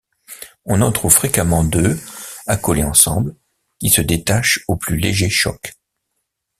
On en trouve fréquemment deux accolés ensemble, qui se détachent au plus léger choc.